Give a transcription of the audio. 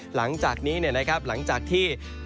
หลังจากนี้นะครับหลังจากที่